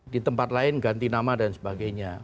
di tempat lain ganti nama dan sebagainya